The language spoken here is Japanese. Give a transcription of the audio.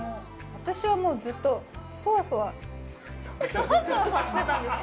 私はもうずっとソワソワさせてたんですか？